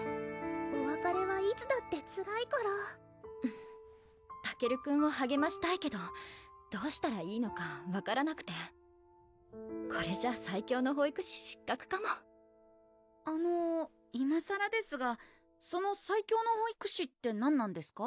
おわかれはいつだってつらいからたけるくんをはげましたいけどどうしたらいいのか分からなくてこれじゃ最強の保育士失格かもあのいまさらですがその最強の保育士って何なんですか？